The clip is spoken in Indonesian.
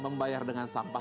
membayar dengan sampah